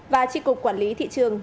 và tri cục quản lý thị trường